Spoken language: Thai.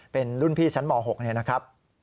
เป็นรุ่นพี่ชั้นหม่อ๖นี้นะครับ